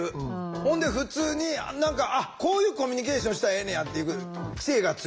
ほんで普通に何かあっこういうコミュニケーションしたらええねやって知恵がついていく。